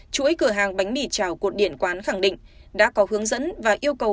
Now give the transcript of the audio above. chuỗi cửa hàng bánh mì chảo của điện quán khẳng định đã có hướng dẫn và yêu cầu